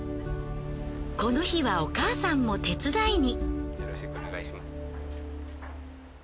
この日はお母さんも手伝いに。